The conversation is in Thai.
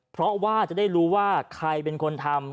เพราะว่าจะได้รู้ว่าใครเป็นคนทำ